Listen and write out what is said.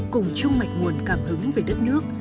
cùng chung mạch nguồn cảm hứng về đất nước